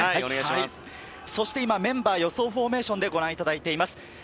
メンバーを予想フォーメーションでご覧いただいています。